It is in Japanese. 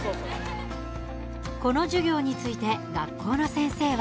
この授業について学校の先生は。